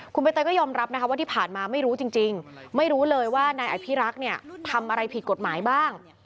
คุณใบเตยก็ยอมรับนะคะว่าที่ผ่านมาไม่รู้จริงไม่รู้เลยว่านายอภิรักษ์เนี่ยทำอะไรผิดกฎหมายบ้าง